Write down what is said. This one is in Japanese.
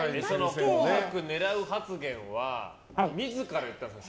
「紅白」狙う発言は自ら言ったんですか？